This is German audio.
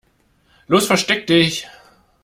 Los, versteck dich!